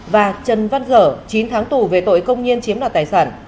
và trần văn dở chín tháng tù về tội công nhiên chiếm đoạt tài sản